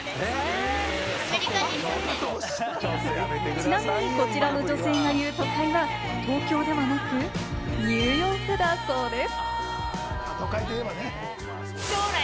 ちなみに、こちらの女性が言う都会は東京ではなくニューヨークだそうです。